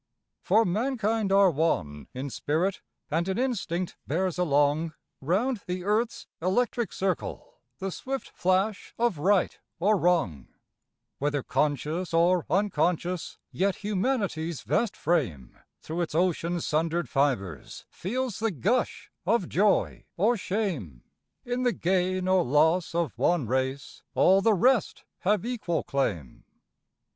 For mankind are one in spirit, and an instinct bears along, Round the earth's electric circle, the swift flash of right or wrong; Whether conscious or unconscious, yet Humanity's vast frame Through its ocean sundered fibres feels the gush of joy or shame;— In the gain or loss of one race all the rest have equal claim.